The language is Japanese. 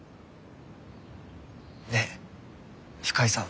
ねえ深井さん。